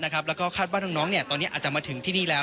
คาดบ้านน้องตอนนี้อาจจะมาถึงที่นี่แล้ว